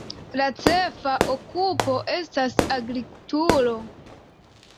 La ĉefa okupo estas agrikulturo.